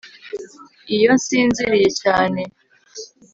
iyo nsinziriye cyane